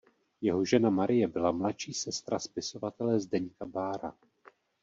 Jeho žena Marie byla mladší sestra spisovatele Zdeňka Bára.